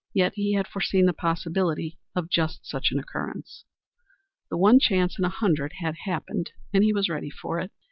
Yet he had foreseen the possibility of just such an occurrence. The one chance in a hundred had happened and he was ready for it.